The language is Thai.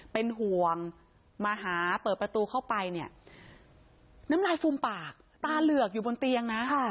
เป็นห่วงมาหาเปิดประตูเข้าไปเนี่ยน้ำลายฟูมปากตาเหลือกอยู่บนเตียงนะ